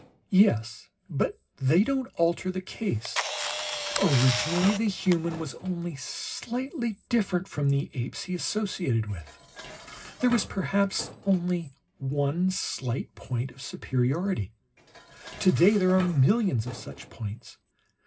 "Yes; but they don't alter the case. Originally the human was only slightly different from the apes he associated with. There was perhaps only one slight point of superiority; today there are millions of such points.